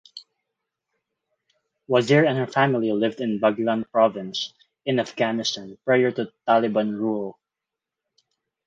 Wazir and her family lived in Baghlan Province in Afghanistan prior to Taliban rule.